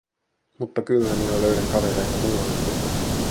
Mutta kyllä minä löydän kavereita muualtakin.